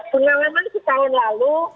pengalaman setahun lalu